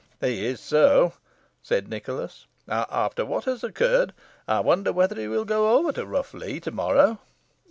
"He is so," said Nicholas. "After what has occurred, I wonder whether he will go over to Rough Lee to morrow?"